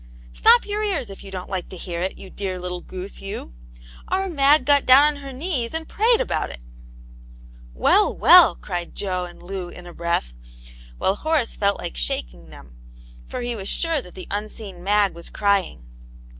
'* Stop your ears, if you don't like to hear it, you dear little goose, you ! Our Mag got down on her knees, and prayed about it !" *'Well, well!" cried Jo and Lou in a breath; while Horace felt like shaking them, for he was sure that the unseen Mag was crying.